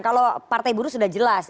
kalau partai buruh sudah jelas